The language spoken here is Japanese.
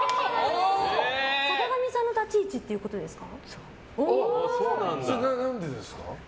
坂上さんの立ち位置ってことですか？